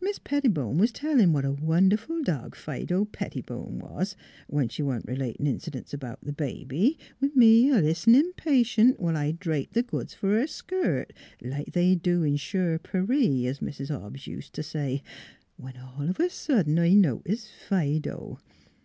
Mis' Pettibone was tellin' what a wonderful dog Fido Pettibone was ^when she wa'n't r'latin' incidents about th' baby, with me a listenin' patient, whilst I draped th' goods fer her skirt, like they do in NEIGHBORS 351 shur Paree, as Mis' Hobbs ust t' say, when all of a suddent I noticed Fido.